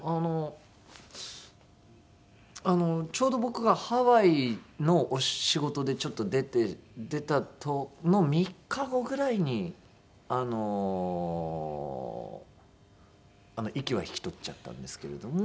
ちょうど僕がハワイのお仕事でちょっと出て出た３日後ぐらいにあの息は引き取っちゃったんですけれども。